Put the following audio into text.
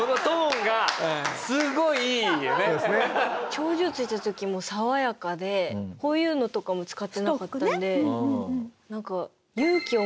頂上着いた時も爽やかでこういうのとかも使ってなかったんでなんか。